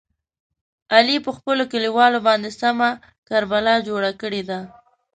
علي په خپلو کلیوالو باندې سمه کربلا جوړه کړې ده.